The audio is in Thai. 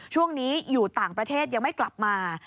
ช่วงนี้อยู่ต่างประเทศยังไม่กลับมา